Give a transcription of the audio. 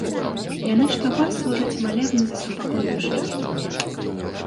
Яны штогод служаць малебны за супакой душы гетмана.